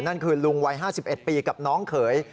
นั่นคือลุงวัย๕๑ปีกับน้องเขย